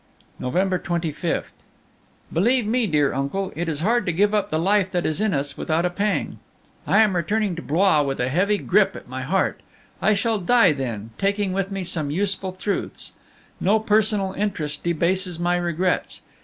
"November 25. "Believe me, dear uncle, it is hard to give up the life that is in us without a pang. I am returning to Blois with a heavy grip at my heart; I shall die then, taking with me some useful truths. No personal interest debases my regrets.